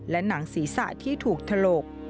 หนังศีรษะที่ถูกถลก